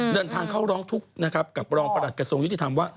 เดินทางเข้าร้องทุกข์กับรองประหลักกระทรวงยุติธรรม